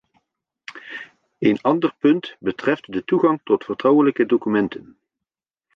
Een ander punt betreft de toegang tot vertrouwelijke documenten.